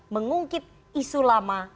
mengungkit isu lama